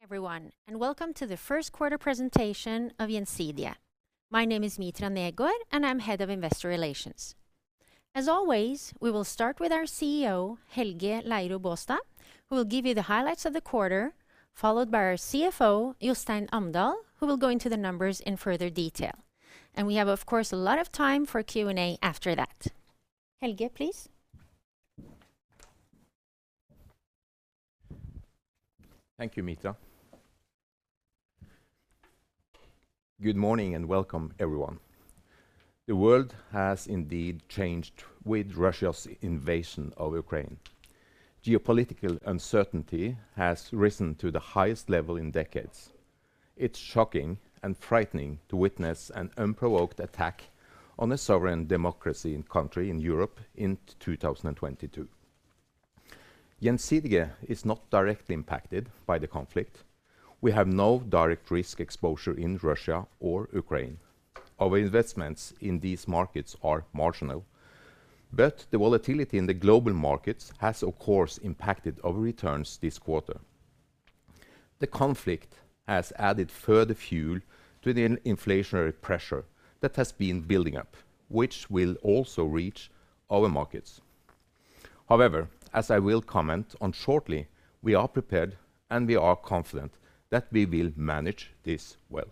Everyone, and welcome to the first quarter presentation of Gjensidige. My name is Mitra Negård, and I'm Head of Investor Relations. As always, we will start with our CEO, Helge Leiro Baastad, who will give you the highlights of the quarter, followed by our CFO, Jostein Amdal, who will go into the numbers in further detail. We have, of course, a lot of time for Q&A after that. Helge, please. Thank you, Mitra. Good morning, and welcome everyone. The world has indeed changed with Russia's invasion of Ukraine. Geopolitical uncertainty has risen to the highest level in decades. It's shocking and frightening to witness an unprovoked attack on a sovereign democracy and country in Europe in 2022. Gjensidige is not directly impacted by the conflict. We have no direct risk exposure in Russia or Ukraine. Our investments in these markets are marginal, but the volatility in the global markets has, of course, impacted our returns this quarter. The conflict has added further fuel to the inflationary pressure that has been building up, which will also reach our markets. However, as I will comment on shortly, we are prepared, and we are confident that we will manage this well.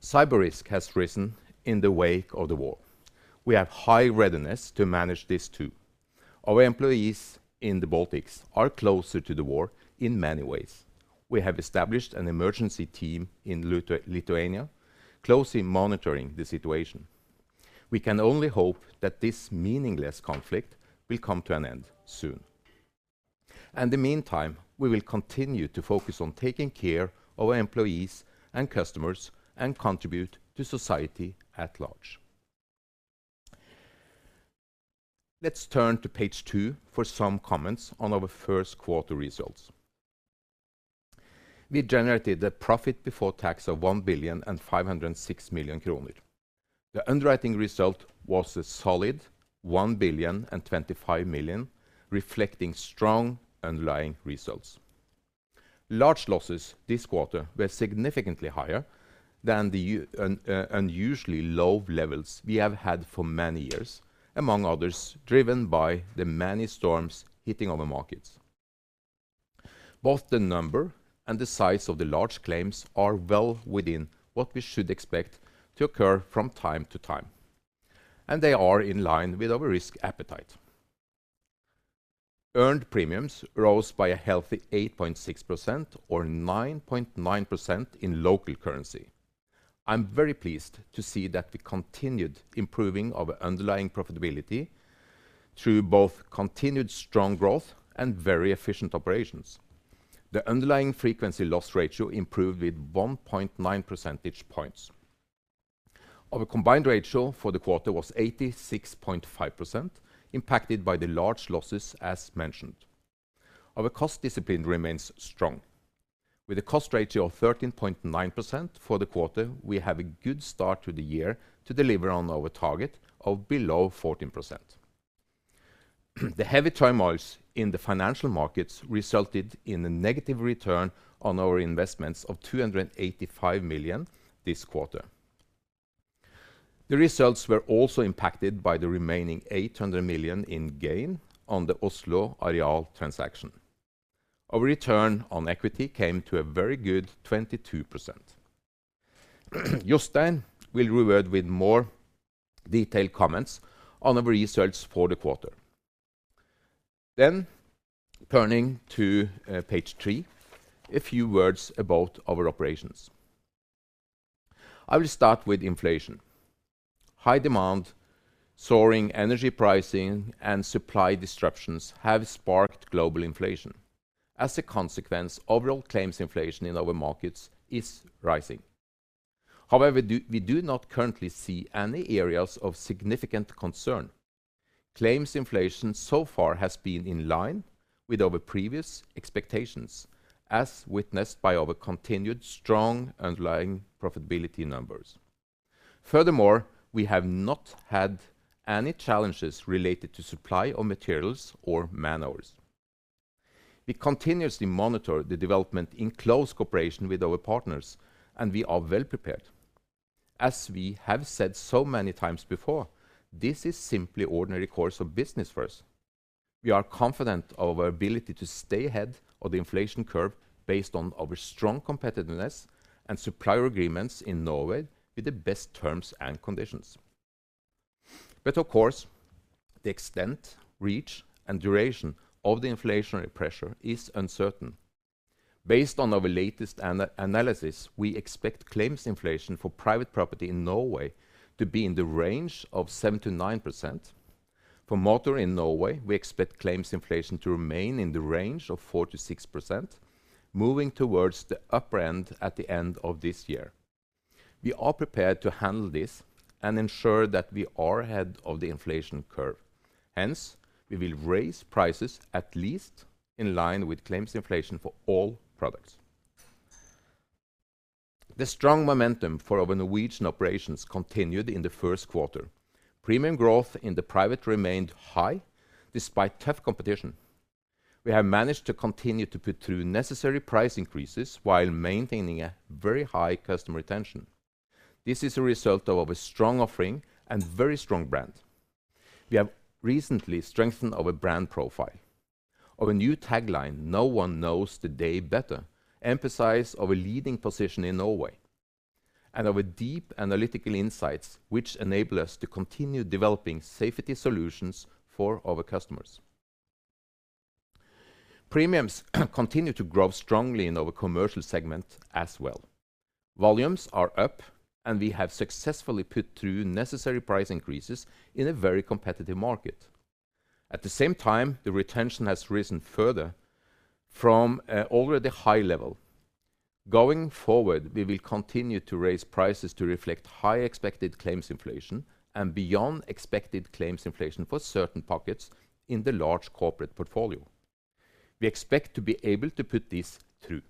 Cyber risk has risen in the wake of the war. We have high readiness to manage this too. Our employees in the Baltics are closer to the war in many ways. We have established an emergency team in Lithuania, closely monitoring the situation. We can only hope that this meaningless conflict will come to an end soon. In the meantime, we will continue to focus on taking care of our employees and customers and contribute to society at large. Let's turn to page two for some comments on our first quarter results. We generated a profit before tax of 1,506 million kroner. The underwriting result was a solid 1,025 million, reflecting strong underlying results. Large losses this quarter were significantly higher than the unusually low levels we have had for many years, among others, driven by the many storms hitting our markets. Both the number and the size of the large claims are well within what we should expect to occur from time to time, and they are in line with our risk appetite. Earned premiums rose by a healthy 8.6% or 9.9% in local currency. I'm very pleased to see that the continued improving of underlying profitability through both continued strong growth and very efficient operations. The underlying frequency loss ratio improved with 1.9 percentage points. Our combined ratio for the quarter was 86.5% impacted by the large losses as mentioned. Our cost discipline remains strong. With a cost ratio of 13.9% for the quarter, we have a good start to the year to deliver on our target of below 14%. The heavy turmoils in the financial markets resulted in a negative return on our investments of 285 million this quarter. The results were also impacted by the remaining 800 million in gain on the Oslo Areal transaction. Our return on equity came to a very good 22%. Jostein will review with more detailed comments on the results for the quarter. Turning to page three, a few words about our operations. I will start with inflation. High demand, soaring energy pricing, and supply disruptions have sparked global inflation. As a consequence, overall claims inflation in our markets is rising. However, we do not currently see any areas of significant concern. Claims inflation so far has been in line with our previous expectations, as witnessed by our continued strong underlying profitability numbers. Furthermore, we have not had any challenges related to supply of materials or man-hours. We continuously monitor the development in close cooperation with our partners, and we are well prepared. As we have said so many times before, this is simply ordinary course of business for us. We are confident of our ability to stay ahead of the inflation curve based on our strong competitiveness and supplier agreements in Norway with the best terms and conditions. Of course, the extent, reach, and duration of the inflationary pressure is uncertain. Based on our latest analysis, we expect claims inflation for private property in Norway to be in the range of 7%-9%. For motor in Norway, we expect claims inflation to remain in the range of 4%-6%, moving towards the upper end at the end of this year. We are prepared to handle this and ensure that we are ahead of the inflation curve. Hence, we will raise prices at least in line with claims inflation for all products. The strong momentum for our Norwegian operations continued in the first quarter. Premium growth in the private remained high despite tough competition. We have managed to continue to put through necessary price increases while maintaining a very high customer retention. This is a result of a strong offering and very strong brand. We have recently strengthened our brand profile. Our new tagline, No one knows the day better, emphasize our leading position in Norway and our deep analytical insights which enable us to continue developing safety solutions for our customers. Premiums continue to grow strongly in our commercial segment as well. Volumes are up, and we have successfully put through necessary price increases in a very competitive market. At the same time, the retention has risen further from already high level. Going forward, we will continue to raise prices to reflect high expected claims inflation and beyond expected claims inflation for certain pockets in the large corporate portfolio. We expect to be able to put this through.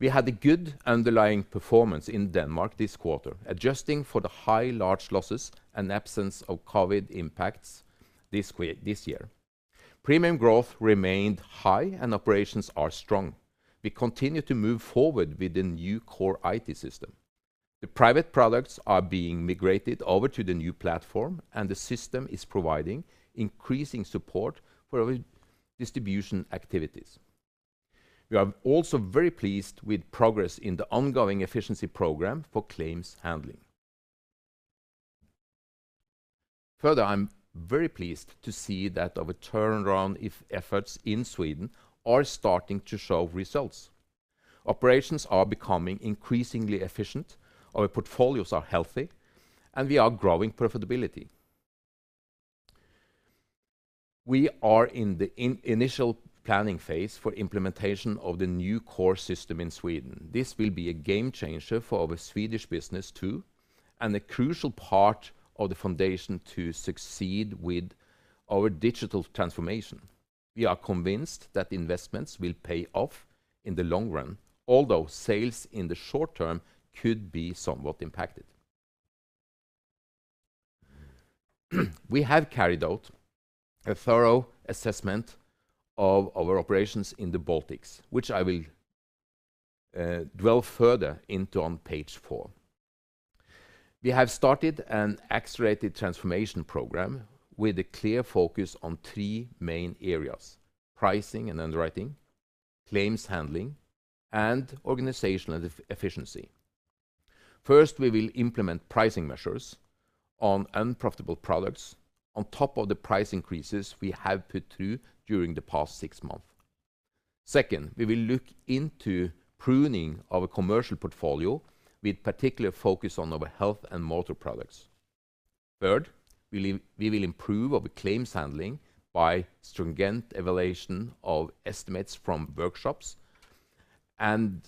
We had a good underlying performance in Denmark this quarter, adjusting for the high large losses and absence of COVID impacts this year. Premium growth remained high and operations are strong. We continue to move forward with the new core IT system. The private products are being migrated over to the new platform, and the system is providing increasing support for our distribution activities. We are also very pleased with progress in the ongoing efficiency program for claims handling. Further, I'm very pleased to see that our turnaround efforts in Sweden are starting to show results. Operations are becoming increasingly efficient, our portfolios are healthy, and we are growing profitability. We are in the initial planning phase for implementation of the new core system in Sweden. This will be a game changer for our Swedish business too, and a crucial part of the foundation to succeed with our digital transformation. We are convinced that investments will pay off in the long run, although sales in the short term could be somewhat impacted. We have carried out a thorough assessment of our operations in the Baltics, which I will dwell further into on page four. We have started an accelerated transformation program with a clear focus on three main areas, pricing and underwriting, claims handling, and organizational efficiency. First, we will implement pricing measures on unprofitable products on top of the price increases we have put through during the past six months. Second, we will look into pruning our commercial portfolio with particular focus on our health and motor products. Third, we will improve our claims handling by stringent evaluation of estimates from workshops and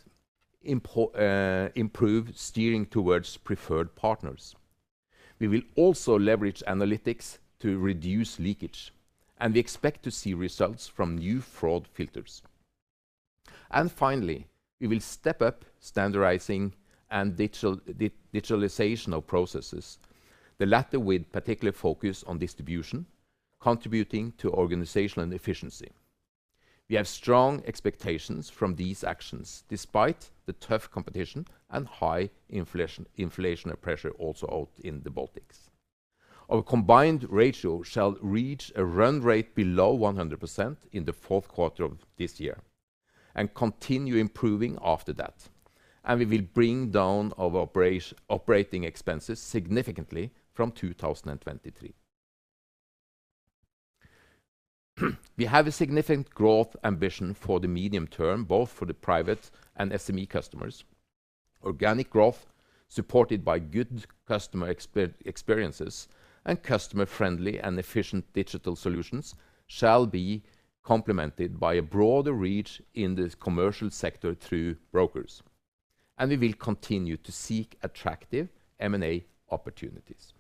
improve steering towards preferred partners. We will also leverage analytics to reduce leakage, and we expect to see results from new fraud filters. Finally, we will step up standardizing and digitalization of processes, the latter with particular focus on distribution, contributing to organizational efficiency. We have strong expectations from these actions, despite the tough competition and high inflation, inflationary pressure also out in the Baltics. Our combined ratio shall reach a run rate below 100% in the fourth quarter of this year and continue improving after that, and we will bring down our operating expenses significantly from 2023. We have a significant growth ambition for the medium term, both for the private and SME customers. Organic growth, supported by good customer experiences and customer friendly and efficient digital solutions, shall be complemented by a broader reach in the commercial sector through brokers. We will continue to seek attractive M&A opportunities.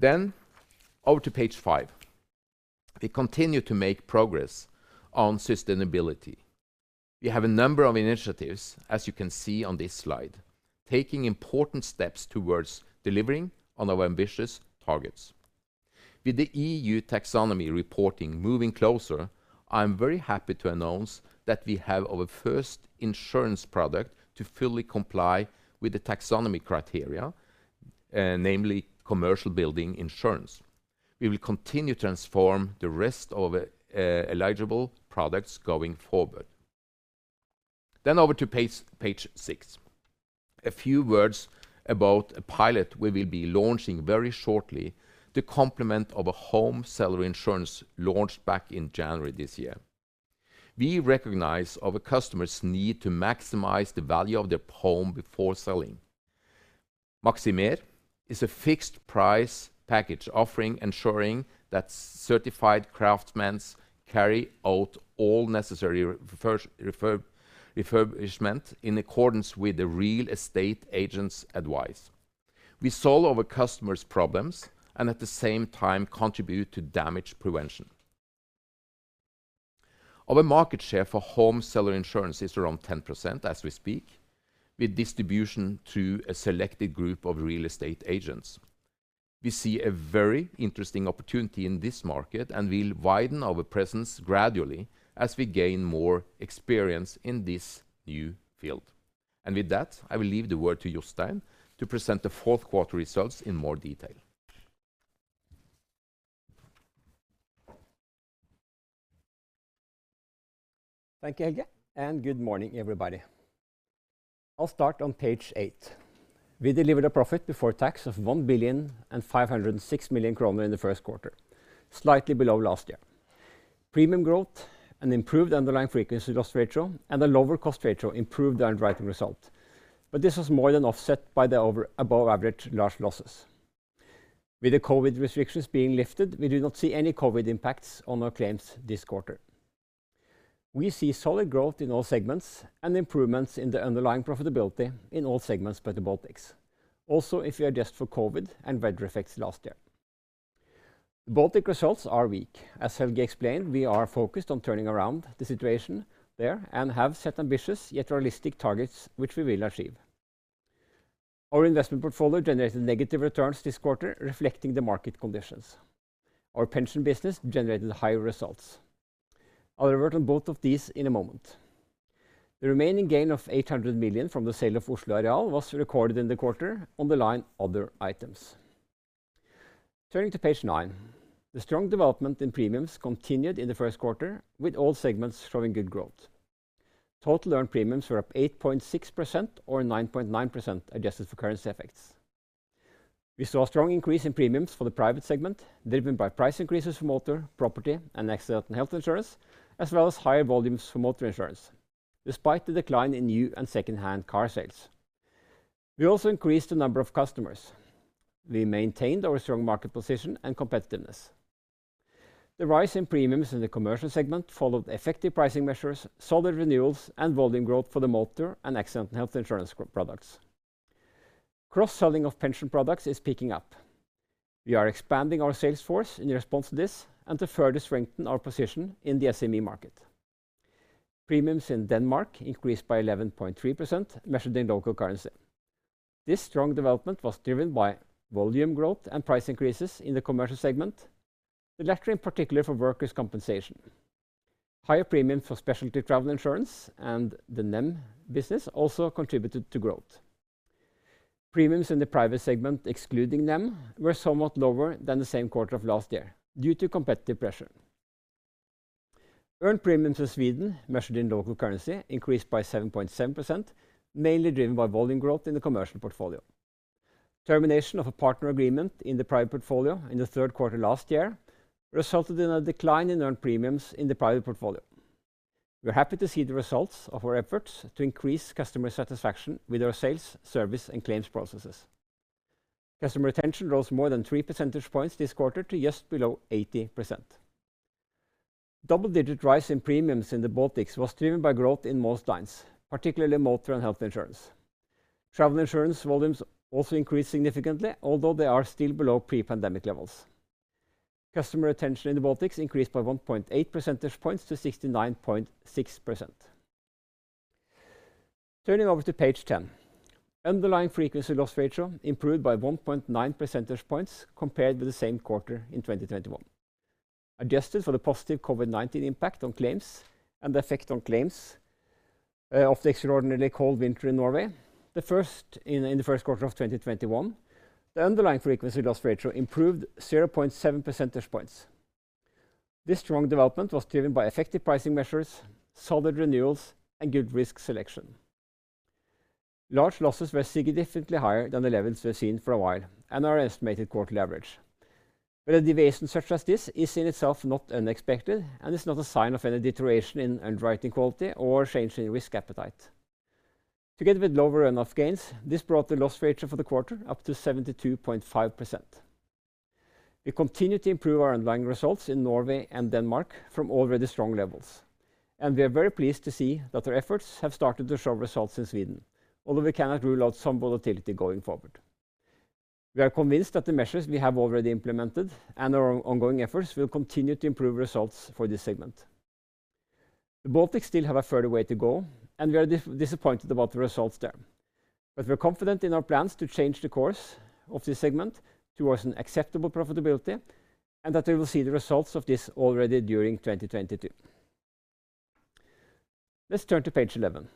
Over to page five. We continue to make progress on sustainability. We have a number of initiatives, as you can see on this slide, taking important steps towards delivering on our ambitious targets. With the EU taxonomy reporting moving closer, I am very happy to announce that we have our first insurance product to fully comply with the taxonomy criteria, namely commercial building insurance. We will continue to transform the rest of eligible products going forward. Over to page six. A few words about a pilot we will be launching very shortly to complement our home seller insurance launched back in January this year. We recognize our customers need to maximize the value of their home before selling. Maximér is a fixed price package offering ensuring that certified craftsmen carry out all necessary refurbishment in accordance with the real estate agent's advice. We solve our customers' problems, and at the same time contribute to damage prevention. Our market share for home seller insurance is around 10% as we speak, with distribution through a selected group of real estate agents. We see a very interesting opportunity in this market, and we'll widen our presence gradually as we gain more experience in this new field. With that, I will leave the word to Jostein to present the fourth quarter results in more detail. Thank you, Helge, and good morning, everybody. I'll start on page eight. We delivered a profit before tax of 1,506 million kroner in the first quarter, slightly below last year. Premium growth and improved underlying frequency loss ratio and a lower cost ratio improved the underwriting result. This was more than offset by the above average large losses. With the COVID restrictions being lifted, we do not see any COVID impacts on our claims this quarter. We see solid growth in all segments and improvements in the underlying profitability in all segments but the Baltics. Also, if you adjust for COVID and weather effects last year, the Baltic results are weak. As Helge explained, we are focused on turning around the situation there and have set ambitious yet realistic targets which we will achieve. Our investment portfolio generated negative returns this quarter, reflecting the market conditions. Our pension business generated higher results. I'll revert on both of these in a moment. The remaining gain of 800 million from the sale of Oslo Areal was recorded in the quarter on the line other items. Turning to page nine. The strong development in premiums continued in the first quarter, with all segments showing good growth. Total earned premiums were up 8.6% or 9.9% adjusted for currency effects. We saw a strong increase in premiums for the private segment, driven by price increases from motor, property, and accident and health insurance, as well as higher volumes for motor insurance, despite the decline in new and second-hand car sales. We also increased the number of customers. We maintained our strong market position and competitiveness. The rise in premiums in the commercial segment followed effective pricing measures, solid renewals, and volume growth for the motor and accident and health insurance products. Cross-selling of pension products is picking up. We are expanding our sales force in response to this and to further strengthen our position in the SME market. Premiums in Denmark increased by 11.3%, measured in local currency. This strong development was driven by volume growth and price increases in the commercial segment, the latter in particular for workers' compensation. Higher premiums for specialty travel insurance and the NEM business also contributed to growth. Premiums in the private segment, excluding NEM, were somewhat lower than the same quarter of last year due to competitive pressure. Earned premiums in Sweden, measured in local currency, increased by 7.7%, mainly driven by volume growth in the commercial portfolio. Termination of a partner agreement in the private portfolio in the third quarter last year resulted in a decline in earned premiums in the private portfolio. We're happy to see the results of our efforts to increase customer satisfaction with our sales, service, and claims processes. Customer retention rose more than 3 percentage points this quarter to just below 80%. Double-digit rise in premiums in the Baltics was driven by growth in most lines, particularly motor and health insurance. Travel insurance volumes also increased significantly, although they are still below pre-pandemic levels. Customer retention in the Baltics increased by 1.8 percentage points to 69.6%. Turning over to page 10. Underlying frequency loss ratio improved by 1.9 percentage points compared with the same quarter in 2021. Adjusted for the positive COVID-19 impact on claims and the effect on claims of the extraordinarily cold winter in Norway, in the first quarter of 2021, the underlying frequency loss ratio improved 0.7 percentage points. This strong development was driven by effective pricing measures, solid renewals, and good risk selection. Large losses were significantly higher than the levels we've seen for a while and our estimated quarterly average. A deviation such as this is in itself not unexpected and is not a sign of any deterioration in underwriting quality or change in risk appetite. Together with lower investment gains, this brought the loss ratio for the quarter up to 72.5%. We continue to improve our underlying results in Norway and Denmark from already strong levels, and we are very pleased to see that our efforts have started to show results in Sweden, although we cannot rule out some volatility going forward. We are convinced that the measures we have already implemented and our ongoing efforts will continue to improve results for this segment. The Baltics still have a further way to go, and we are disappointed about the results there. We're confident in our plans to change the course of this segment towards an acceptable profitability and that we will see the results of this already during 2022. Let's turn to page 11.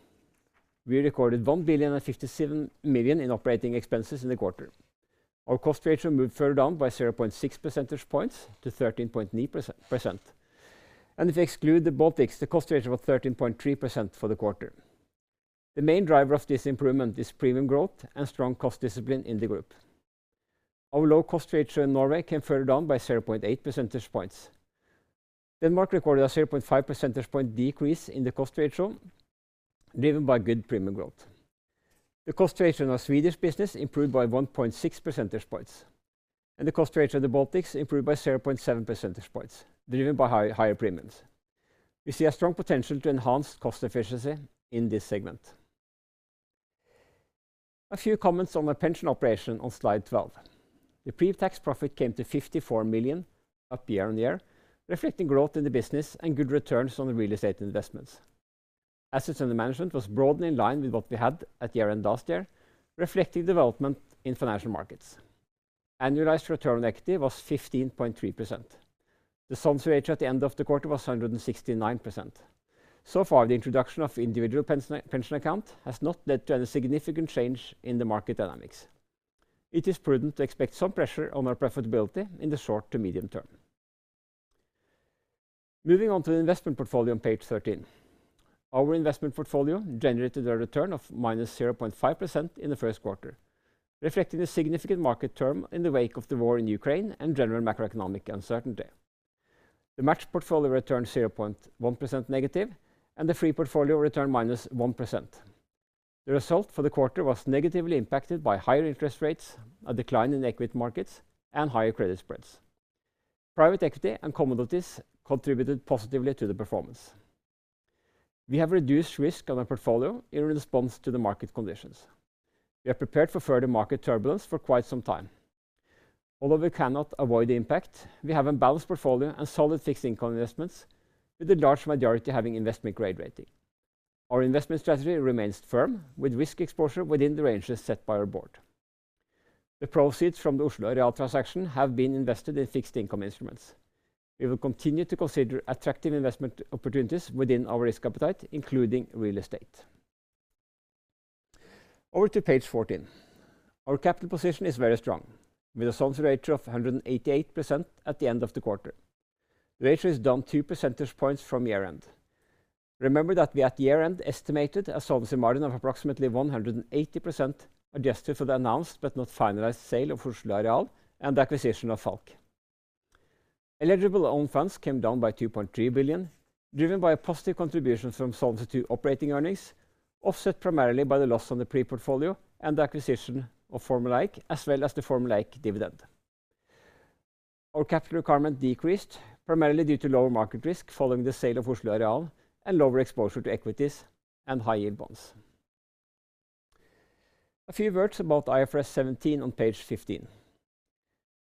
We recorded 1,057 million in operating expenses in the quarter. Our cost ratio moved further down by 0.6 percentage points to 13.9%. If you exclude the Baltics, the cost ratio was 13.3% for the quarter. The main driver of this improvement is premium growth and strong cost discipline in the group. Our low cost ratio in Norway came further down by 0.8 percentage points. Denmark recorded a 0.5 percentage point decrease in the cost ratio, driven by good premium growth. The cost ratio in our Swedish business improved by 1.6 percentage points, and the cost ratio of the Baltics improved by 0.7 percentage points, driven by higher premiums. We see a strong potential to enhance cost efficiency in this segment. A few comments on the pension operation on slide 12. The pre-tax profit came to 54 million up year-on-year, reflecting growth in the business and good returns on the real estate investments. Assets under management was broadly in line with what we had at year end last year, reflecting development in financial markets. Annualized return on equity was 15.3%. The solvency ratio at the end of the quarter was 169%. So far, the introduction of individual pension account has not led to any significant change in the market dynamics. It is prudent to expect some pressure on our profitability in the short to medium term. Moving on to the investment portfolio on page 13. Our investment portfolio generated a return of -0.5% in the first quarter, reflecting the significant market turmoil in the wake of the war in Ukraine and general macroeconomic uncertainty. The matched portfolio returned -0.1% and the free portfolio returned -1%. The result for the quarter was negatively impacted by higher interest rates, a decline in equity markets, and higher credit spreads. Private equity and commodities contributed positively to the performance. We have reduced risk on our portfolio in response to the market conditions. We are prepared for further market turbulence for quite some time. Although we cannot avoid the impact, we have a balanced portfolio and solid fixed income investments, with the large majority having investment grade rating. Our investment strategy remains firm, with risk exposure within the ranges set by our board. The proceeds from the Oslo Areal transaction have been invested in fixed income instruments. We will continue to consider attractive investment opportunities within our risk appetite, including real estate. Over to page 14. Our capital position is very strong, with a solvency ratio of 188% at the end of the quarter. The ratio is down 2 percentage points from year end. Remember that we, at year end, estimated a solvency margin of approximately 180%, adjusted for the announced but not finalized sale of Oslo Areal and acquisition of Falck. Eligible own funds came down by 2.3 billion, driven by a positive contribution from solvency to operating earnings, offset primarily by the loss on the free portfolio and the acquisition of Falck, as well as the Falck dividend. Our capital requirement decreased primarily due to lower market risk following the sale of Oslo Areal and lower exposure to equities and high yield bonds. A few words about IFRS 17 on page 15.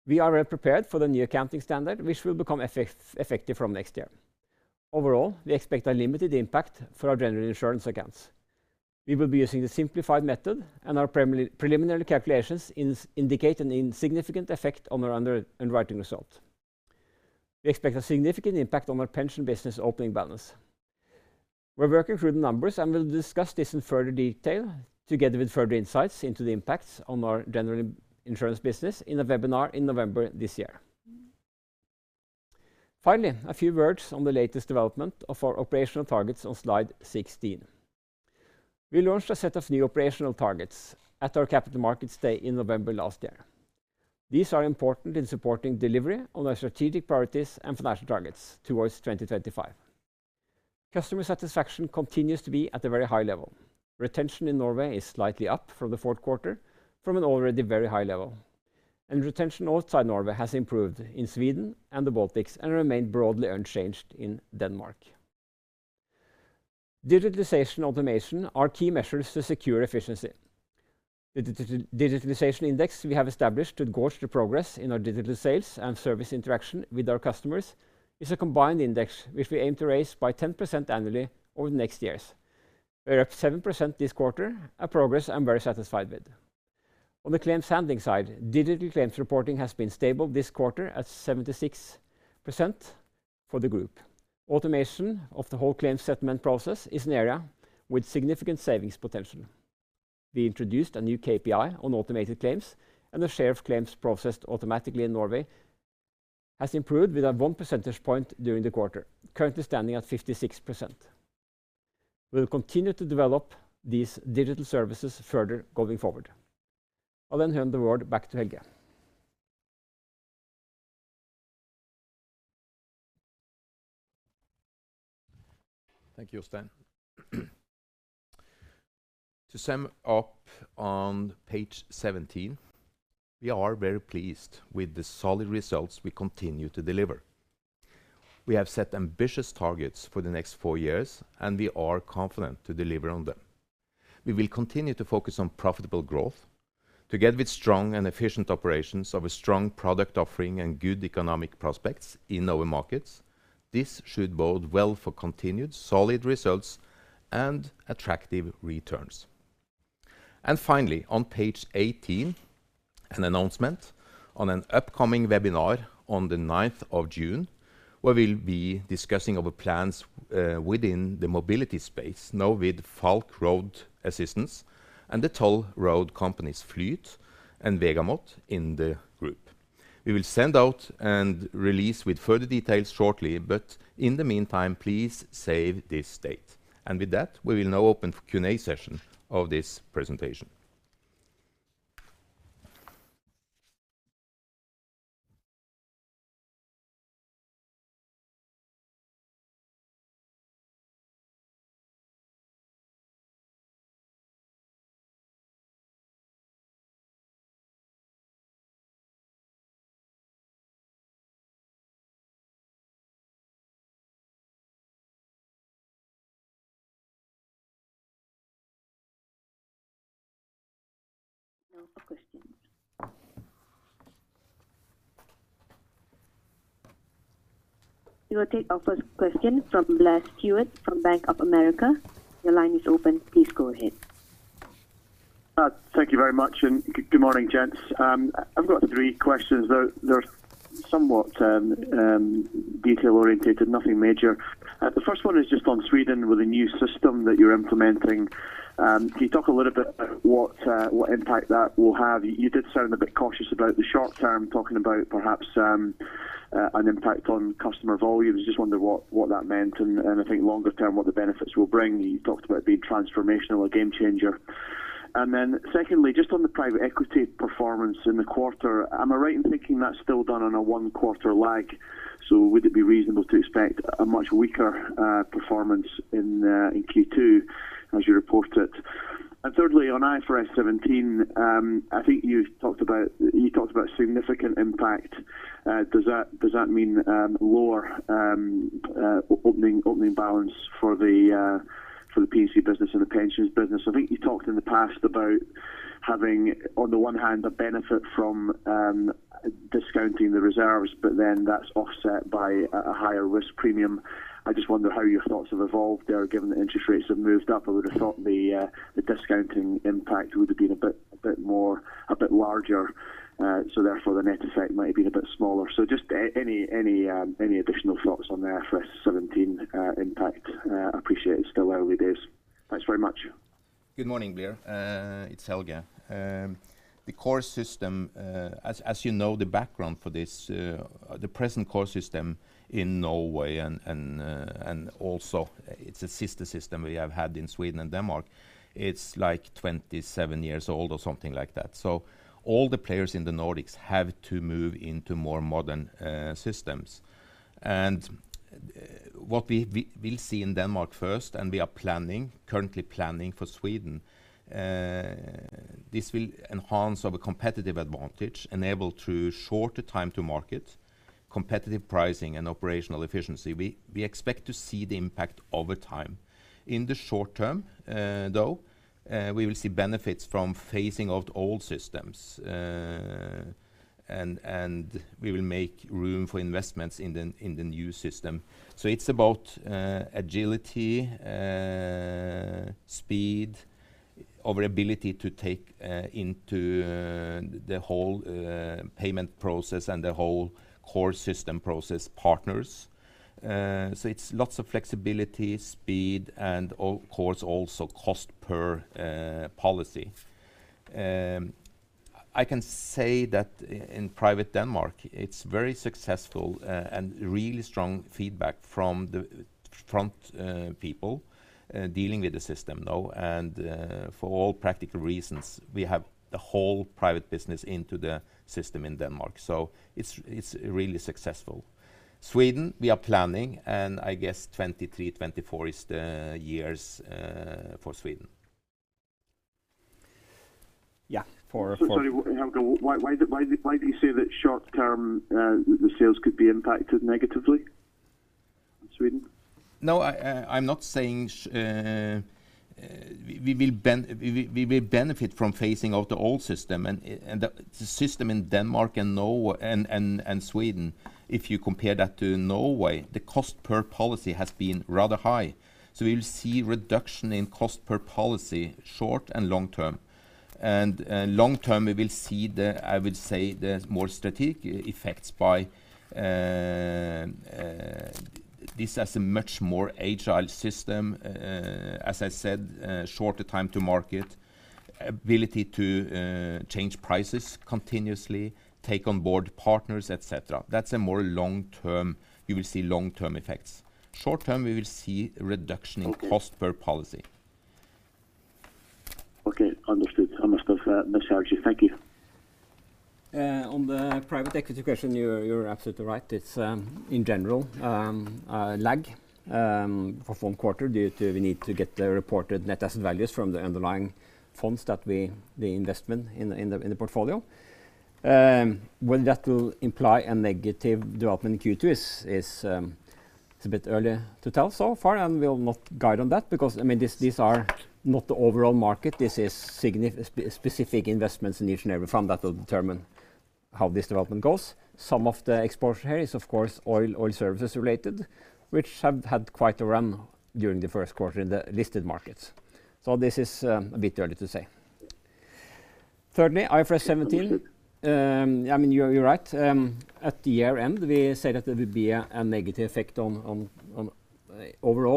We are well prepared for the new accounting standard, which will become effective from next year. Overall, we expect a limited impact for our general insurance accounts. We will be using the simplified method, and our preliminary calculations indicate an insignificant effect on our underwriting result. We expect a significant impact on our pension business opening balance. We're working through the numbers and will discuss this in further detail together with further insights into the impacts on our general insurance business in a webinar in November this year. Finally, a few words on the latest development of our operational targets on slide 16. We launched a set of new operational targets at our capital markets day in November last year. These are important in supporting delivery on our strategic priorities and financial targets towards 2025. Customer satisfaction continues to be at a very high level. Retention in Norway is slightly up from the fourth quarter from an already very high level. Retention outside Norway has improved in Sweden and the Baltics and remained broadly unchanged in Denmark. Digitalization automation are key measures to secure efficiency. The digitalization index we have established to gauge the progress in our digital sales and service interaction with our customers is a combined index which we aim to raise by 10% annually over the next years. We are up 7% this quarter, a progress I'm very satisfied with. On the claims handling side, digital claims reporting has been stable this quarter at 76% for the group. Automation of the whole claims settlement process is an area with significant savings potential. We introduced a new KPI on automated claims, and the share of claims processed automatically in Norway has improved with a 1 percentage point during the quarter, currently standing at 56%. We will continue to develop these digital services further going forward. I'll then hand the word back to Helge. Thank you, Jostein. To sum up on page 17, we are very pleased with the solid results we continue to deliver. We have set ambitious targets for the next four years, and we are confident to deliver on them. We will continue to focus on profitable growth. Together with strong and efficient operations of a strong product offering and good economic prospects in our markets, this should bode well for continued solid results and attractive returns. Finally, on page 18, an announcement on an upcoming webinar on the 9th of June, where we'll be discussing our plans within the mobility space, now with Falck Roadside Assistance and the toll road companies, Flyt and Vegamot, in the group. We will send out and release with further details shortly, but in the meantime, please save this date. With that, we will now open for Q&A session of this presentation. Now for questions. We will take our first question from Blair Stewart from Bank of America. Your line is open. Please go ahead. Thank you, very much and good morning, gents. I've got three questions. They're somewhat detail-oriented, nothing major. The first one is just on Sweden with a new system that you're implementing. Can you talk a little bit about what impact that will have? You did sound a bit cautious about the short term, talking about perhaps an impact on customer volumes. Just wonder what that meant and I think longer term, what the benefits will bring. You talked about it being transformational, a game changer. Secondly, just on the private equity performance in the quarter. Am I right in thinking that's still done on a one quarter lag? Would it be reasonable to expect a much weaker performance in Q2 as you report it? Thirdly, on IFRS 17, I think you talked about significant impact. Does that mean lower opening balance for the P&C business or the pensions business? I think you talked in the past about having on the one hand a benefit from discounting the reserves, but then that's offset by a higher risk premium. I just wonder how your thoughts have evolved there, given the interest rates have moved up. I would have thought the discounting impact would have been a bit larger. Therefore, the net effect might have been a bit smaller. Just any additional thoughts on the IFRS 17 impact. Appreciate it's still early days. Thanks very much. Good morning, Blair. It's Helge. The core system, you know, the background for this, the present core system in Norway and also, it's a system we have had in Sweden and Denmark. It's like 27 years old or something like that. All the players in the Nordics have to move into more modern systems. What we will see in Denmark first, and we are currently planning for Sweden, this will enhance our competitive advantage, enable through shorter time to market, competitive pricing and operational efficiency. We expect to see the impact over time. In the short term, though, we will see benefits from phasing out old systems. We will make room for investments in the new system. It's about agility, speed, our ability to take into the whole payment process and the whole core system process partners. It's lots of flexibility, speed, and of course, also cost per policy. I can say that in private Denmark, it's very successful and really strong feedback from the front people dealing with the system, though. For all practical reasons, we have the whole private business into the system in Denmark. It's really successful. Sweden, we are planning, and I guess 2023, 2024 is the years for Sweden. Yeah, for. Sorry, Helge. Why do you say that short-term, the sales could be impacted negatively in Sweden? No, I'm not saying we will benefit from phasing out the old system and the system in Denmark and Norway and Sweden, if you compare that to Norway, the cost per policy has been rather high. We will see reduction in cost per policy, short and long term. Long term, we will see the, I would say, the more strategic effects by this as a much more agile system, as I said, shorter time to market, ability to change prices continuously, take on board partners, et cetera. That's more long-term. You will see long-term effects. Short term, we will see a reduction in cost per policy. Okay. Understood. I must have misheard you. Thank you. On the private equity question, you're absolutely right. It's in general a lag for one quarter due to we need to get the reported net asset values from the underlying funds that we invest in the portfolio. Whether that will imply a negative development in Q2 is. It's a bit early to tell so far, and we'll not guide on that because, I mean, these are not the overall market. This is specific investments in each and every fund that will determine how this development goes. Some of the exposure here is, of course, oil services related, which have had quite a run during the first quarter in the listed markets. This is a bit early to say. Thirdly, IFRS 17, I mean, you're right. At the year-end, we said that there would be a negative effect overall.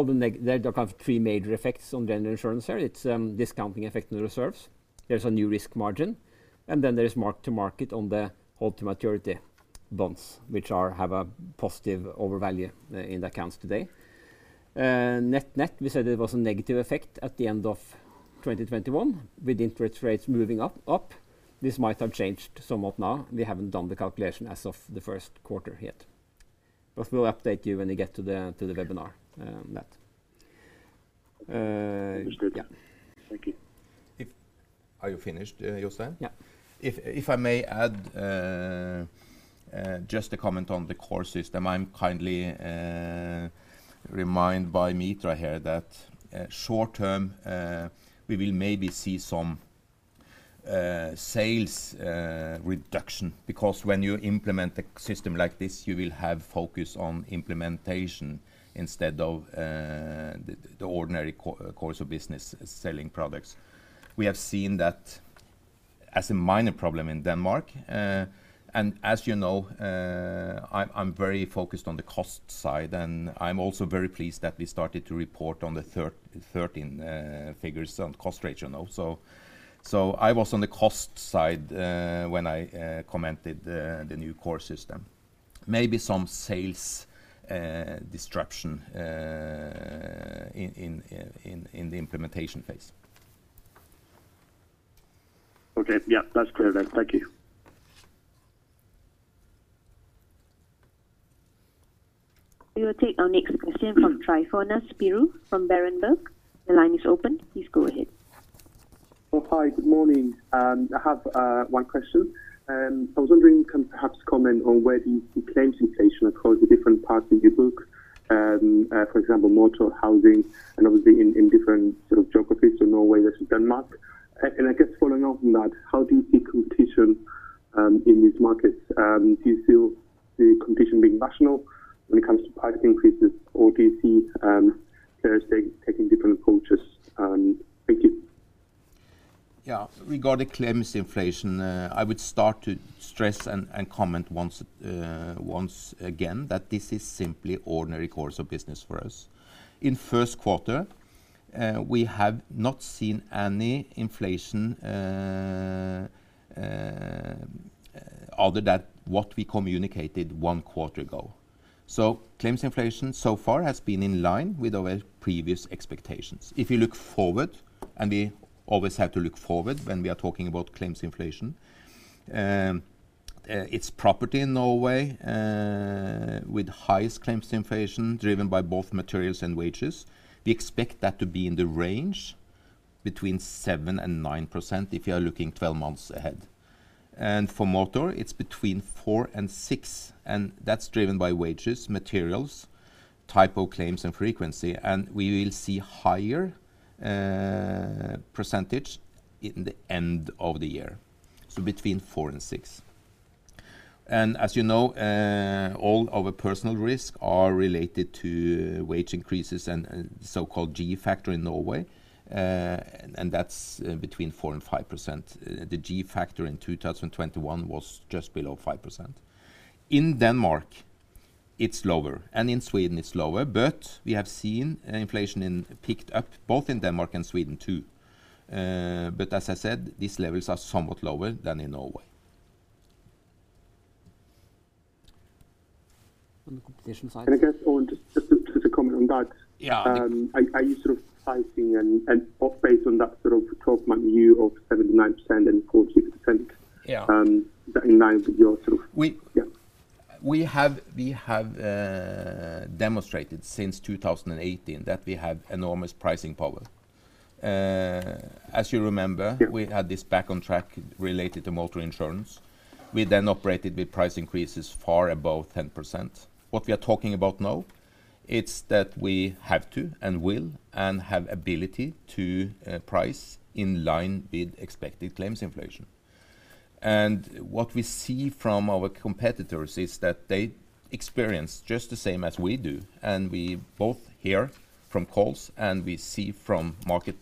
There are kind of three major effects on general insurance here. It's discounting effect on the reserves. There's a new risk margin, and then there is mark to market on the hold-to-maturity bonds, which have a positive overvalue in the accounts today. Net-net, we said there was a negative effect at the end of 2021. With interest rates moving up, this might have changed somewhat now. We haven't done the calculation as of the first quarter yet. We'll update you when we get to the webinar on that. Yeah. Thank you. Are you finished, Jostein? Yeah. If I may add, just a comment on the core system. I'm kindly reminded by Mitra here that, short-term, we will maybe see some sales reduction because when you implement a system like this, you will have focus on implementation instead of the ordinary course of business selling products. We have seen that as a minor problem in Denmark. As you know, I'm very focused on the cost side, and I'm also very pleased that we started to report on the 13 figures on cost ratio also. I was on the cost side when I commented the new core system. Maybe some sales disruption in the implementation phase. Okay. Yeah, that's clear then. Thank you. We will take our next question from Tryfonas Spyrou from Berenberg. The line is open. Please go ahead. Oh, hi. Good morning. I have one question. I was wondering, can perhaps comment on where the claims inflation across the different parts of your book, for example, motor, housing, and obviously in different sort of geographies, so Norway versus Denmark. I guess following on from that, how do you see competition in these markets? Do you see the competition being rational when it comes to price increases or do you see carriers taking different approaches? Thank you. Yeah. Regarding claims inflation, I would start to stress and comment once again that this is simply ordinary course of business for us. In first quarter, we have not seen any inflation, other than what we communicated one quarter ago. Claims inflation so far has been in line with our previous expectations. If you look forward, we always have to look forward when we are talking about claims inflation. It's property in Norway with highest claims inflation driven by both materials and wages. We expect that to be in the range between 7% and 9% if you are looking 12 months ahead. For motor, it's between 4% and 6%, and that's driven by wages, materials, type of claims, and frequency. We will see higher percentage in the end of the year, so between 4%-6%. As you know, all of our personal risk are related to wage increases and the so-called G factor in Norway, and that's between 4% and 5%. The G factor in 2021 was just below 5%. In Denmark, it's lower, and in Sweden it's lower. We have seen inflation picked up both in Denmark and Sweden too. As I said, these levels are somewhat lower than in Norway. On the competition side. Can I get just a comment on that? Yeah. Are you sort of pricing and off based on that sort of 12-month view of 7%-9% and 4%-6%? Yeah In line with your sort of We. Yeah. We have demonstrated since 2018 that we have enormous pricing power. As you remember Yeah We had this back on track related to motor insurance. We operated with price increases far above 10%. What we are talking about now, it's that we have to and will and have ability to price in line with expected claims inflation. What we see from our competitors is that they experience just the same as we do, and we both hear from calls, and we see from market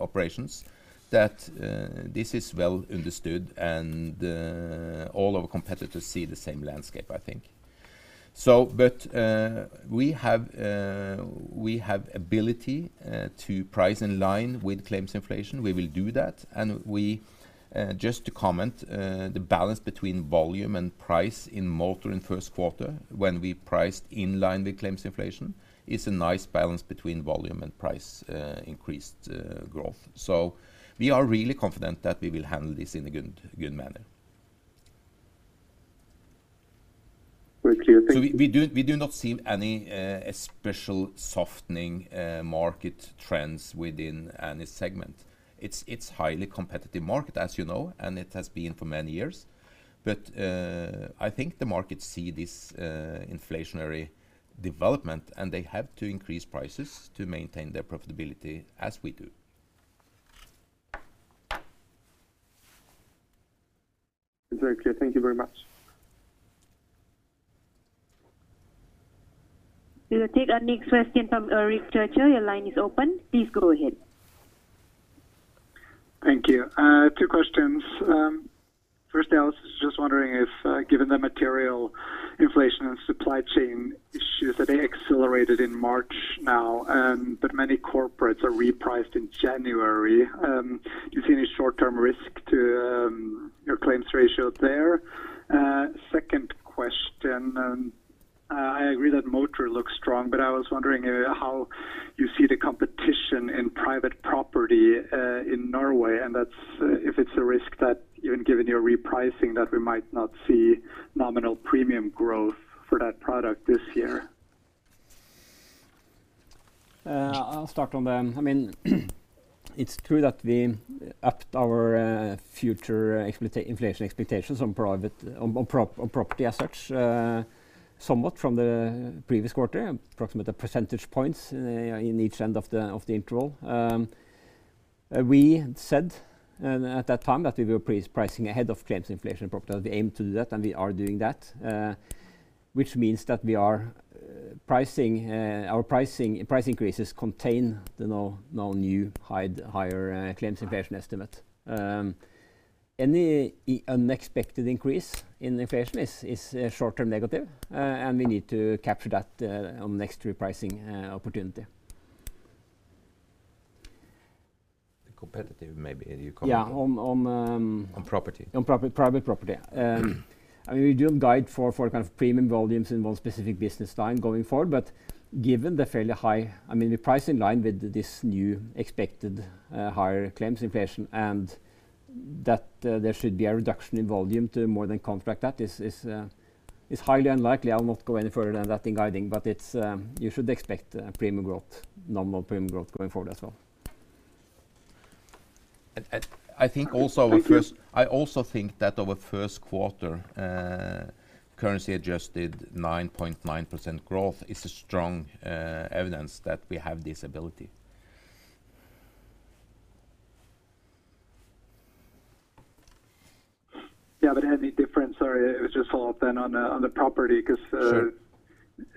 operations that this is well understood and all our competitors see the same landscape, I think. We have ability to price in line with claims inflation. We will do that. We just to comment the balance between volume and price in motor in first quarter when we priced in line with claims inflation is a nice balance between volume and price, increased growth. We are really confident that we will handle this in a good manner. Very clear. Thank you. We do not see any special softening market trends within any segment. It's highly competitive market, as you know, and it has been for many years. I think the market see this inflationary development, and they have to increase prices to maintain their profitability as we do. It's very clear. Thank you very much. We will take our next question from Rick Church. Your line is open. Please go ahead. Thank you. Two questions. Firstly, I was just wondering if, given the material inflation and supply chain issues that they accelerated in March now, but many corporates are repriced in January, do you see any short-term risk to your claims ratio there? Second question, I agree that motor looks strong, but I was wondering how you see the competition in private property in Norway, and that's if it's a risk that even given your repricing that we might not see nominal premium growth for that product this year. I'll start on them. I mean, it's true that we upped our future inflation expectations on property as such somewhat from the previous quarter, approximately 2 percentage points in each end of the interval. We said at that time that we were pre-pricing ahead of claims inflation on property. We aim to do that, and we are doing that, which means that we are pricing price increases contain the new higher claims inflation estimate. Any unexpected increase in inflation is short-term negative, and we need to capture that on the next repricing opportunity. The competitive. Maybe you comment on. Yeah, on. On property. On private property. I mean, we don't guide for kind of premium volumes in one specific business line going forward. Given the fairly high, I mean, we price in line with these new expected higher claims inflation and that there should be a reduction in volume to more than counteract that is highly unlikely. I'll not go any further than that in guiding, but it's you should expect a premium growth, normal premium growth going forward as well. I also think that our first quarter, currency adjusted 9.9% growth is a strong evidence that we have this ability. Yeah, any difference? Sorry, it was just a follow-up then on the property 'cause. Sure.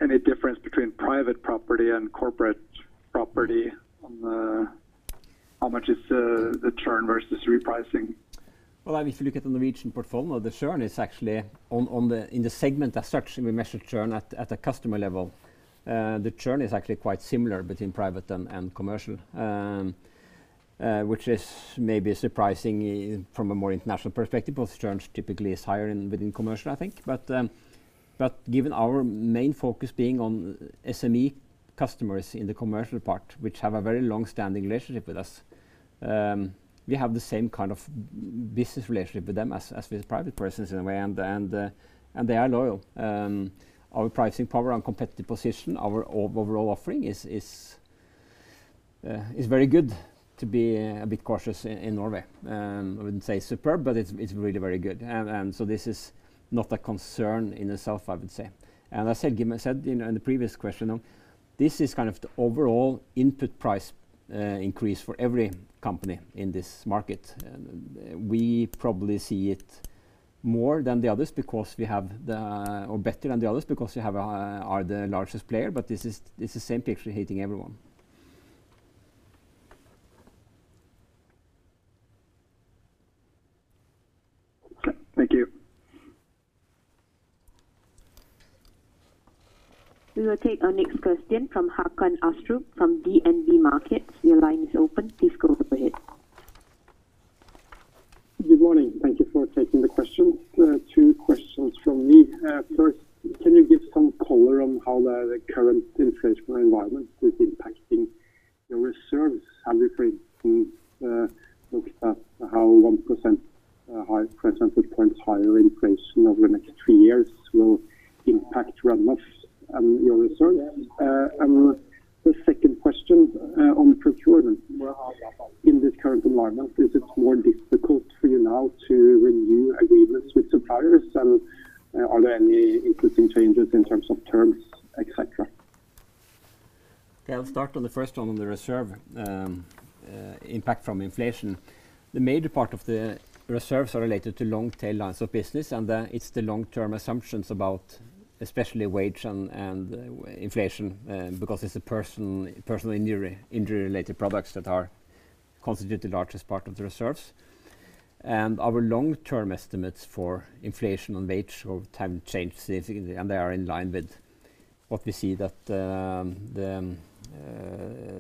Any difference between private property and corporate property on the how much is the churn versus repricing? Well, if you look at the Norwegian portfolio, the churn is actually in the segment as such, we measure churn at a customer level. The churn is actually quite similar between private and commercial. Which is maybe surprising from a more international perspective, both churns typically is higher in commercial, I think. Given our main focus being on SME customers in the commercial part, which have a very long-standing relationship with us, we have the same kind of business relationship with them as with private persons in a way, and they are loyal. Our pricing power and competitive position, our overall offering is very good to be a bit cautious in Norway. I wouldn't say superb, but it's really very good. This is not a concern in itself, I would say. As I said, you know, in the previous question, this is kind of the overall input price increase for every company in this market. We probably see it more than the others or better than the others because we are the largest player, but this is the same picture hitting everyone. Okay. Thank you. We will take our next question from Håkon Astrup from DNB Markets.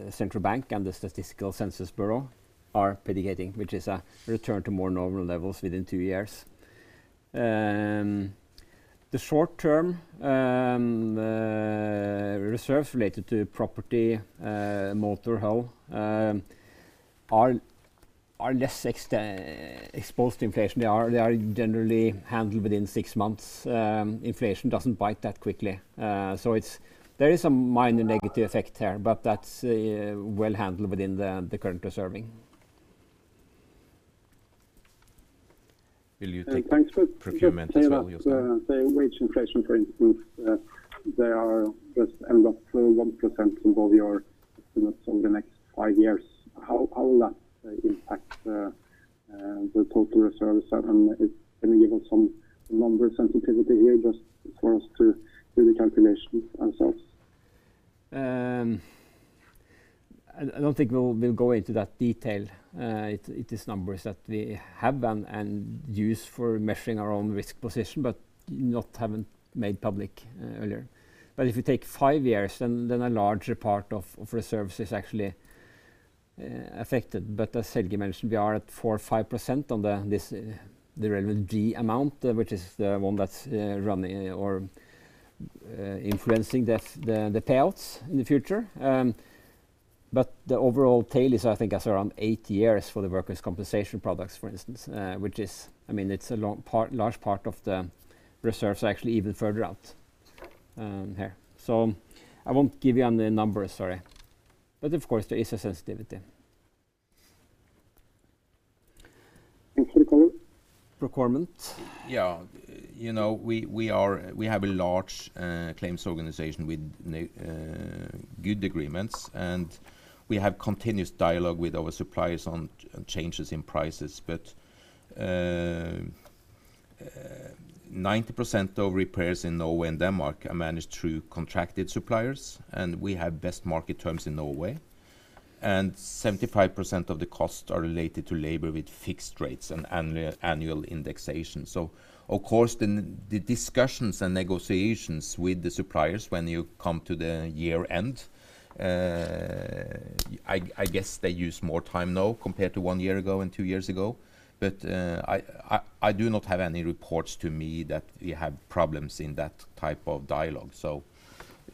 central bank and Statistics Norway are predicting, which is a return to more normal levels within two years. The short-term reserves related to property, motor, hull are less exposed to inflation. They are generally handled within six months. Inflation doesn't bite that quickly. There is some minor negative effect here, but that's well handled within the current reserving. Will you take. Thanks. Procurement as well? Just say that the wage inflation, for instance, is just 1% in both your estimates over the next five years. How will that impact the total reserves? Can you give us some number sensitivity here just for us to do the calculations ourselves? I don't think we'll go into that detail. It is numbers that we have and use for measuring our own risk position but haven't made public earlier. If you take five years, then a larger part of reserves is actually affected. As Helge mentioned, we are at 4%-5% on the relevant G amount, which is the one that's running or influencing the payouts in the future. The overall tail is, I think, around eight years for the workers' compensation products, for instance, which is. I mean, it's a long part, large part of the reserves are actually even further out here. I won't give you the numbers, sorry. Of course, there is a sensitivity. Thanks. Procurement. Procurement. Yeah. You know, we have a large claims organization with good agreements, and we have continuous dialogue with our suppliers on changes in prices. 90% of repairs in Norway and Denmark are managed through contracted suppliers, and we have best market terms in Norway. 75% of the costs are related to labor with fixed rates and annual indexation. Of course, the discussions and negotiations with the suppliers when you come to the year-end, I do not have any reports to me that we have problems in that type of dialogue.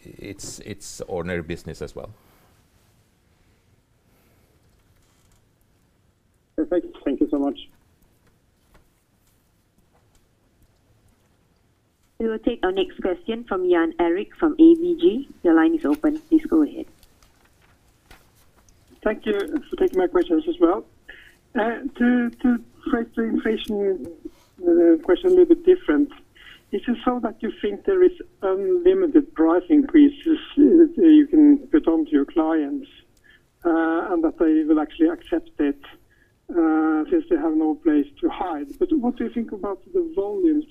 It's ordinary business as well. Perfect. Thank you so much. We will take our next question from Jan Erik from ABG. Your line is open. Please go ahead. Thank you for taking my questions as well. To phrase the inflation, question a little bit different, is it so that you think there is unlimited price increases you can pass on to your clients and that they will actually accept it since they have no place to hide? What do you think about the volumes?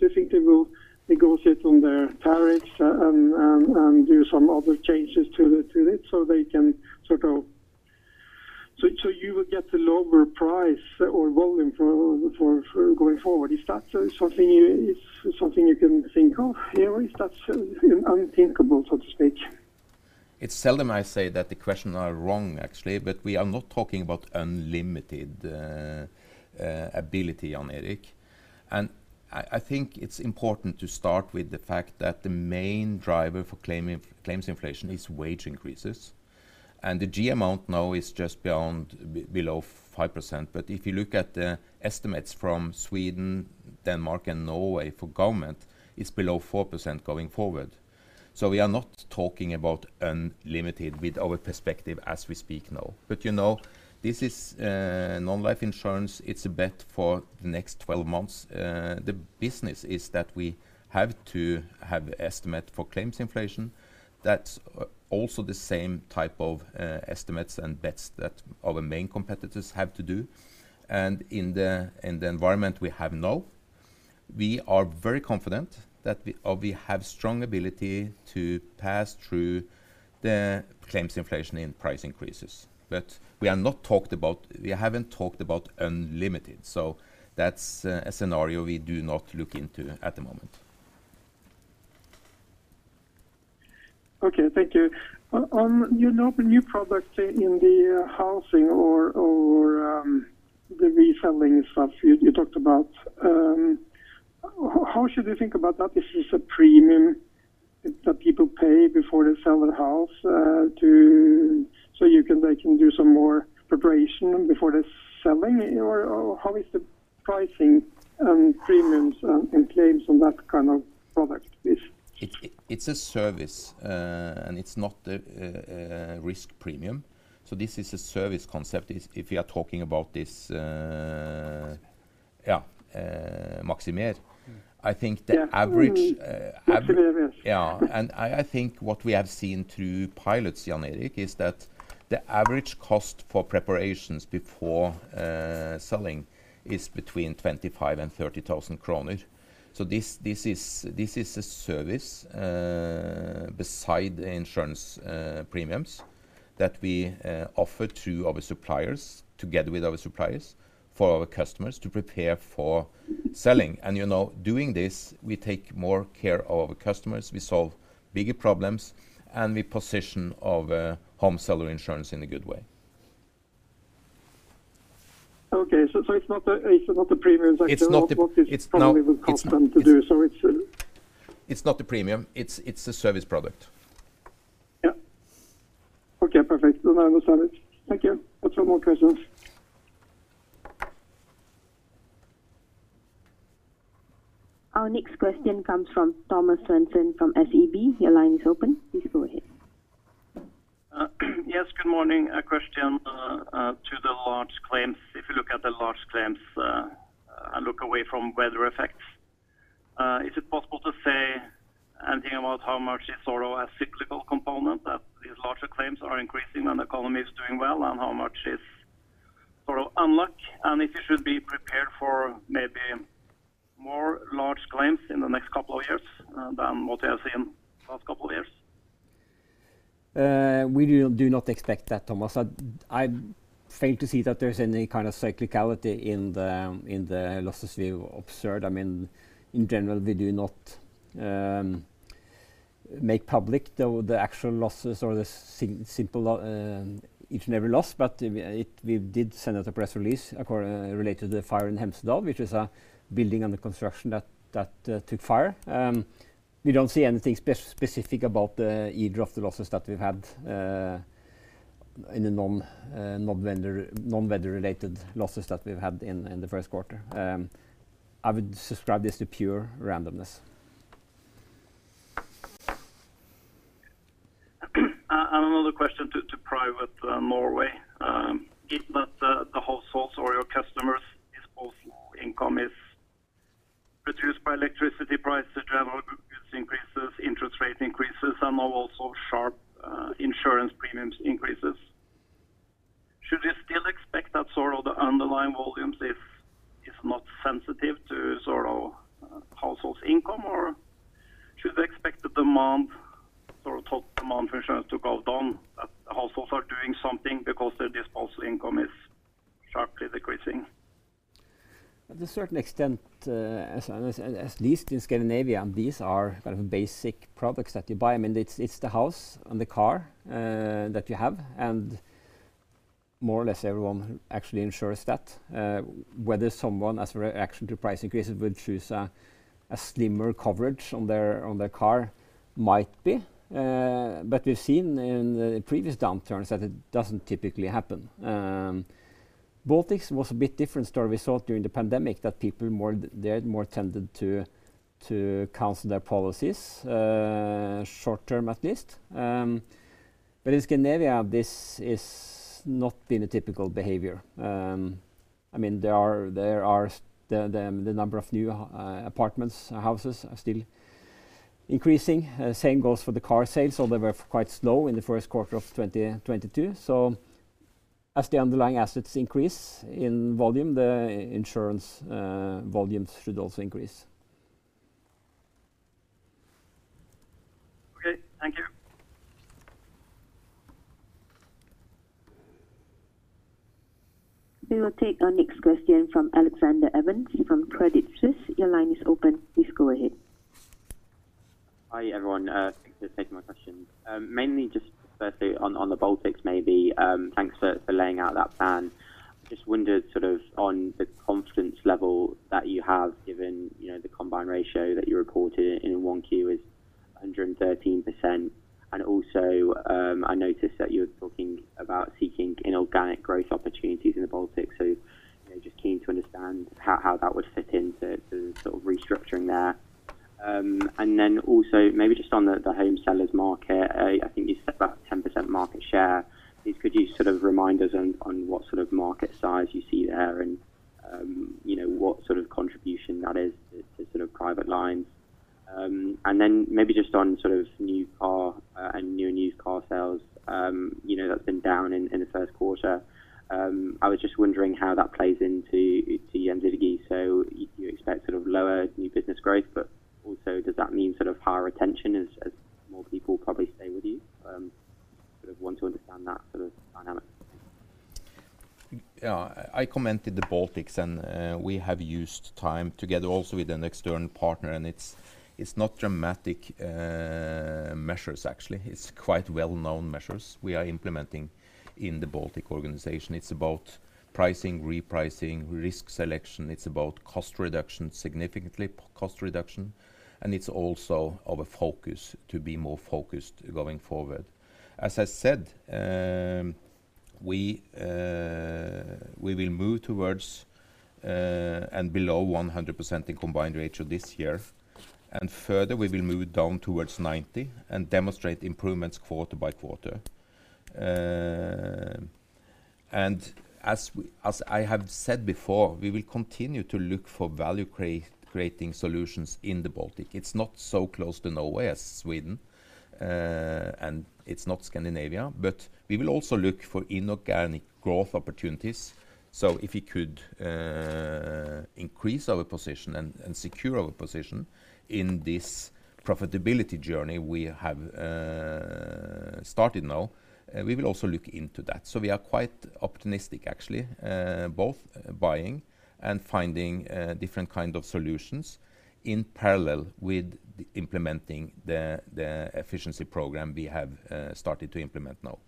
Do you think they will negotiate on their tariffs and do some other changes to it so they can sort of so you will get a lower price or volume for going forward? Is that something you can think of? Or is that unthinkable, so to speak? It's seldom I say that the question is wrong actually, but we are not talking about unlimited liability, Jan Erik. I think it's important to start with the fact that the main driver for claims inflation is wage increases. The G amount now is just below 5%. If you look at the estimates from Sweden, Denmark, and Norway for government, it's below 4% going forward. We are not talking about unlimited with our perspective as we speak now. You know, this is non-life insurance. It's a bet for the next 12 months. The business is that we have to have estimate for claims inflation. That's also the same type of estimates and bets that our main competitors have to do. In the environment we have now, we are very confident that we have strong ability to pass through the claims inflation and price increases. We haven't talked about unlimited, so that's a scenario we do not look into at the moment. Okay. Thank you. On you know the new product in the housing or the reselling stuff you talked about, how should we think about that? This is a premium that people pay before they sell their house, they can do some more preparation before they're selling. Or how is the pricing, premiums, and claims on that kind of product? It's a service, and it's not a risk premium. This is a service concept. If we are talking about this. Maximér. Yeah, Maximér. I think the average. Yeah. Maximér, yes. Yeah. I think what we have seen through pilots, Jan Erik, is that the average cost for preparations before selling is between 25,000 and 30,000 kroner. This is a service besides the insurance premiums that we offer to our suppliers, together with our suppliers, for our customers to prepare for selling. You know, doing this, we take more care of our customers, we solve bigger problems, and we position our home seller insurance in a good way. It's not a premium as such. It's not the. It's probably the cost then to do so. It's not a premium. It's a service product. Yeah. Okay, perfect. I understand it. Thank you. That's all my questions. Our next question comes from Thomas Svendsen from SEB. Your line is open. Please go ahead. Yes, good morning. A question to the large claims. If you look at the large claims and look away from weather effects, is it possible to say anything about how much is sort of a cyclical component that these larger claims are increasing and the economy is doing well, and how much is sort of unlucky? And if you should be prepared for maybe more large claims in the next couple of years than what we have seen last couple of years? We do not expect that, Thomas. I fail to see that there's any kind of cyclicality in the losses we've observed. I mean, in general, we do not make public the actual losses or simply each and every loss. We did send out a press release related to the fire in Hemsedal, which is a building under construction that took fire. We don't see anything specific about this year, the losses that we've had in the non-weather-related losses that we've had in the first quarter. I would describe this as pure randomness. Another question to private Norway. Given that the households or your customers disposable income is reduced by electricity price, the general goods increases, interest rate increases, and now also sharp insurance premiums increases. Should we still expect that sort of the underlying volumes if it's not sensitive to sort of household's income? Or should we expect the demand or total demand for insurance to go down, that the households are doing something because their disposable income is sharply decreasing? To a certain extent, at least in Scandinavia, these are kind of basic products that you buy. I mean, it's the house and the car that you have, and more or less everyone actually insures that. Whether someone as a reaction to price increases will choose a slimmer coverage on their car might be. We've seen in the previous downturns that it doesn't typically happen. The Baltics was a bit different story. We saw during the pandemic that people more tended to cancel their policies, short-term at least. In Scandinavia, this has not been a typical behavior. I mean, the number of new apartments, houses are still increasing. Same goes for the car sales, although they were quite slow in the first quarter of 2022. As the underlying assets increase in volume, the insurance volumes should also increase. Okay, thank you. We will take our next question from Alexander Evans from Credit Suisse. Your line is open. Please go ahead. Hi, everyone. Thanks for taking my question. Mainly just firstly on the Baltics maybe, thanks for laying out that plan. Just wondered sort of on the confidence level that you have given, you know, the combined ratio that you reported in Q1 is 113%. Also, I noticed that you were talking about seeking inorganic growth opportunities in the Baltics. You know, we will move towards and below 100% in combined ratio this year. Further, we will move down towards 90% and demonstrate improvements quarter by quarter. As I have said before, we will continue to look for value creating solutions in the Baltic. It's not so close to Norway as Sweden, and it's not Scandinavia. We will also look for inorganic growth opportunities. If we could increase our position and secure our position in this profitability journey we have started now, we will also look into that. We are quite optimistic actually, both buying and finding different kind of solutions in parallel with implementing the efficiency program we have started to implement now.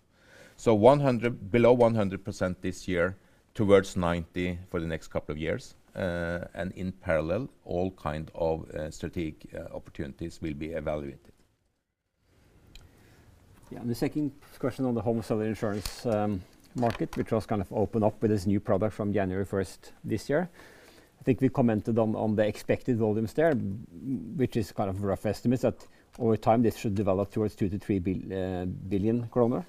Below 100% this year, towards 90% for the next couple of years. In parallel, all kind of strategic opportunities will be evaluated. Yeah. The second question on the home seller insurance market, which was kind of open up with this new product from January 1st this year. I think we commented on the expected volumes there, which is kind of rough estimates that over time this should develop towards 2 billion-3 billion kroner.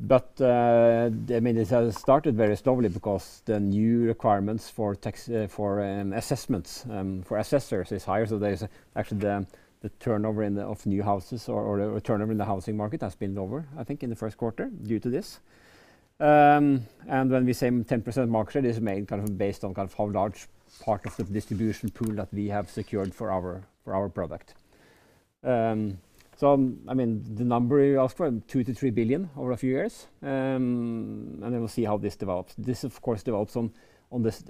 But I mean, it has started very slowly because the new requirements for tax assessments for assessors is higher. So, there's actually the turnover of new houses or turnover in the housing market has been lower, I think, in the first quarter due to this. When we say 10% market, it's mainly kind of based on kind of how large part of the distribution pool that we have secured for our product. I mean, the number you asked for, 2 billion-3 billion over a few years, and then we'll see how this develops. This of course depends on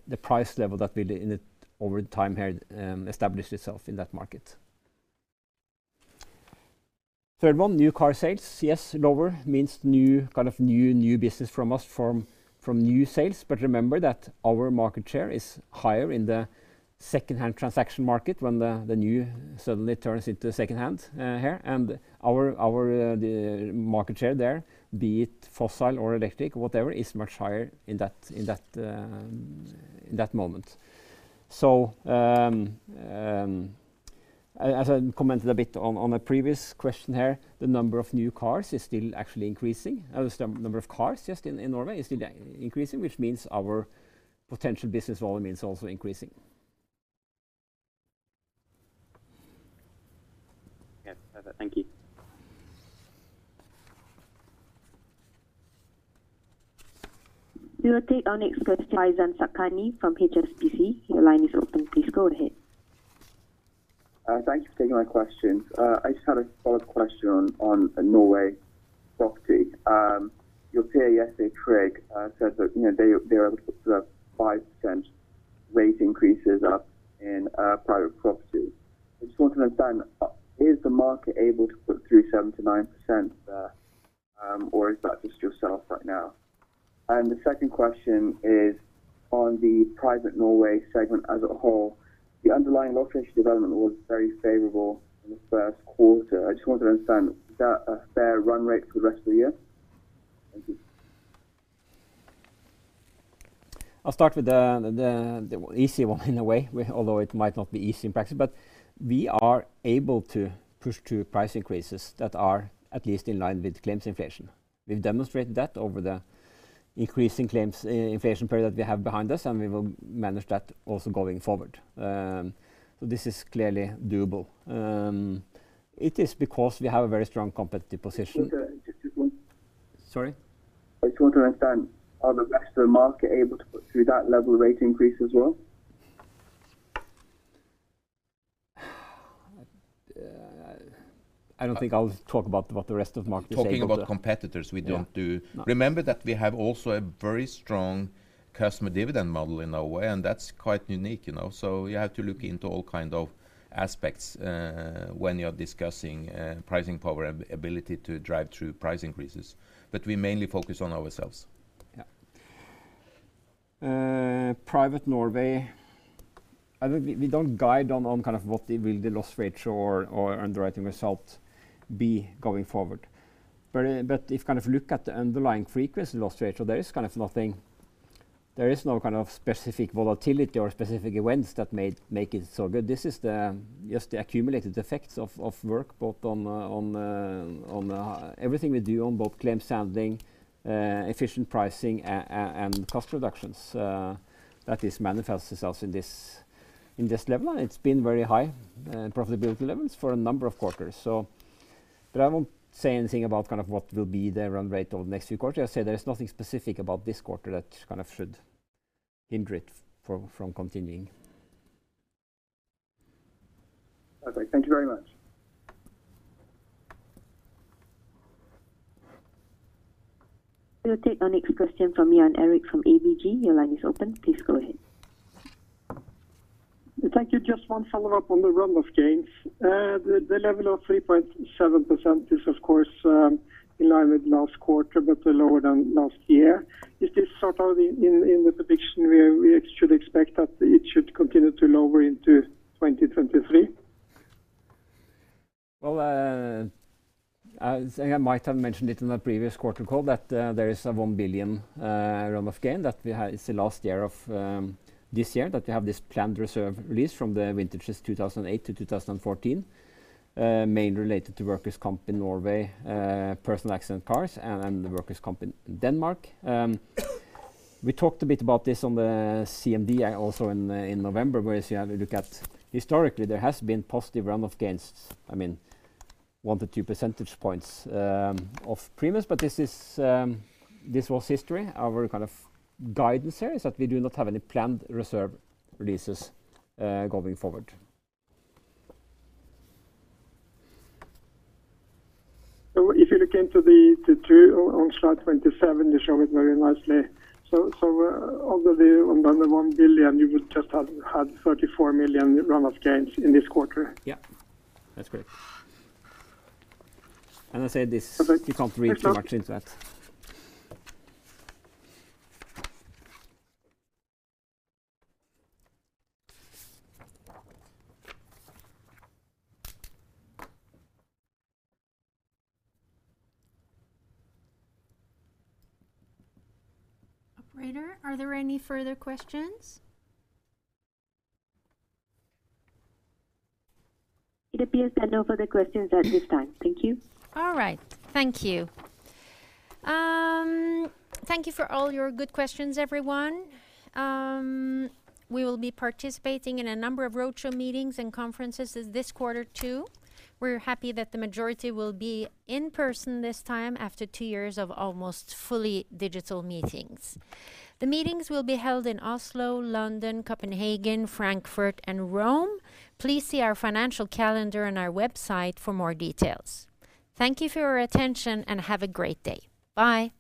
the price level that we're in over time here, establishes itself in that market. Third one, new car sales. Yes, lower means less new business from new sales, but remember that our market share is higher in the secondhand transaction market when the new suddenly turns into secondhand here. Our market share there, be it fossil or electric, whatever, is much higher in that moment. As I commented a bit on a previous question here, the number of new cars is still actually increasing. The number of cars, yes, in Norway is still increasing, which means our potential business volume is also increasing. Yes. Thank you. We will take our next question, Faizan Lakhani from HSBC. Your line is open. Please go ahead. Thanks for taking my questions. I just had a follow-up question on Norway property. Your PA yesterday, Tryg, said that, you know, they were able to put up 5% rate increases up in private property. I just want to understand, is the market able to put through 7%-9% there, or is that just yourself right now? The second question is on the Private Norway segment as a whole. The underlying loss ratio development was very favorable in the first quarter. I just wanted to understand, is that a fair run rate for the rest of the year? Thank you. I'll start with the easy one in a way, although it might not be easy in practice. We are able to push through price increases that are at least in line with claims inflation. We've demonstrated that over the increasing claims inflation period that we have behind us, and we will manage that also going forward. This is clearly doable. It is because we have a very strong competitive position. Just one. Sorry? I just want to understand, are the rest of the market able to put through that level of rate increase as well? I don't think I'll talk about what the rest of the market is able to. Talking about competitors, we don't do. Yeah. No. Remember that we have also a very strong customer dividend model in a way, and that's quite unique, you know? You have to look into all kind of aspects, when you're discussing pricing power, ability to drive through price increases. We mainly focus on ourselves. Yeah. Private Norway, I think we don't guide on kind of what will the loss ratio or underwriting result be going forward. If you kind of look at the underlying frequency loss ratio, there is kind of nothing. There is no kind of specific volatility or specific events that make it so good. This is just the accumulated effects of work both on everything we do on both claim handling, efficient pricing, and cost reductions, that manifests itself in this level. It's been very high profitability levels for a number of quarters. I won't say anything about kind of what will be the run rate over the next few quarters. I say there is nothing specific about this quarter that kind of should hinder it from continuing. Okay. Thank you very much. We'll take our next question from Jan Erik from ABG. Your line is open. Please go ahead. Thank you. Just one follow-up on the run of gains. The level of 3.7% is of course in line with last quarter but lower than last year. Is this sort of in the prediction we should expect that it should continue to lower into 2023? Well, as I might have mentioned it in a previous quarter call that, there is a 1 billion run-off gain that we had. It's the last year of, this year that we have this planned reserve release from the vintages 2008 to 2014, mainly related to workers comp in Norway, personal accident cars and the workers comp in Denmark. We talked a bit about this on the CMD also in November, when you have a look at historically, there has been positive run-off gains. I mean, 1-2 percentage points of previous, but this was history. Our kind of guidance here is that we do not have any planned reserve releases, going forward. If you look into the two on slide 27, you show it very nicely. Although the under 1 billion, you would just have had 34 million run-off gains in this quarter. Yeah, that's correct. I said this, you can't read too much into that. Operator, are there any further questions? It appears there are no further questions at this time. Thank you. All right. Thank you. Thank you for all your good questions, everyone. We will be participating in a number of roadshow meetings and conferences this quarter, too. We're happy that the majority will be in person this time after two years of almost fully digital meetings. The meetings will be held in Oslo, London, Copenhagen, Frankfurt, and Rome. Please see our financial calendar on our website for more details. Thank you for your attention and have a great day. Bye.